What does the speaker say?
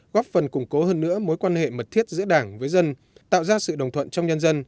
góp phần củng cố hơn nữa mối quan hệ mật thiết giữa đảng với dân tạo ra sự đồng thuận trong nhân dân